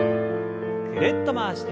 ぐるっと回して。